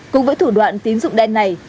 cùng với thủ đoạn tín dụng đen này